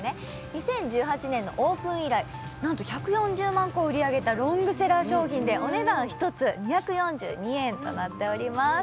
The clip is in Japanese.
２０１８年のオープン以来なんと１４０万個売り上げたロングセラー商品でお値段一つ２４２円となっております